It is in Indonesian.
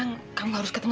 pokoknya mah dia